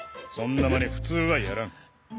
そんな真似普通はやらん。